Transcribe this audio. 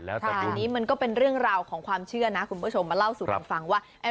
แต่ทีนี้มันก็เป็นเรื่องราวของความเชื่อนะคุณผู้ชมมาเล่าสู่กันฟังว่า